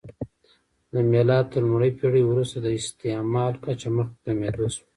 د میلاد تر لومړۍ پېړۍ وروسته د استعمل کچه مخ په کمېدو شوه